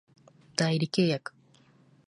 代理契約